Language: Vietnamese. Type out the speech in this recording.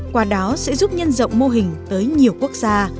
qua đó sẽ giúp nhân rộng mô hình tới nhiều quốc gia